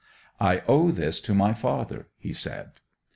'I owe this to my father!' he said.